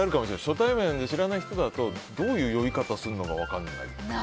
初対面で知らない人だとどういう酔い方か分からない。